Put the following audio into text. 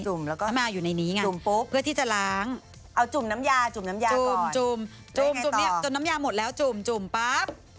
ถ้ามาอยู่ในนี้ไงเพื่อที่จะล้างเอาจุ่มน้ำยาจุ่มน้ำยาก่อนจุ่มจนน้ำยาหมดแล้วจุ่มปั๊บ